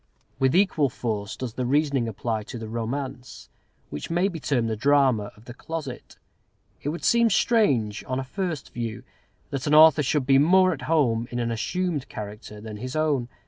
With equal force does the reasoning apply to the romance, which may be termed the drama of the closet. It would seem strange, on a first view, that an author should be more at home in an assumed character than his own.